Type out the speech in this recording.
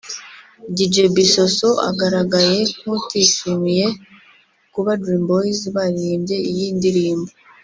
Dj Bissosso agaragaye nk’utishimiye kuba Dream Boyz baririmbye iyi ndirimbo